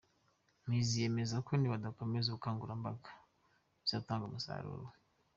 Muhizi yemeza ko nibakomeza ubukangurambaga, bizatanga umusaruro.